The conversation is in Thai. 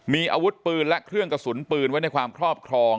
มีอาวุธปืนและเครื่องกระสุนปืนไว้ในความครอบครอง